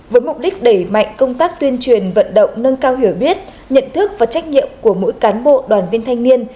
với mục đích đẩy mạnh công tác tuyên truyền vận động nâng cao hiểu biết nhận thức và trách nhiệm của mỗi cán bộ đoàn viên thanh niên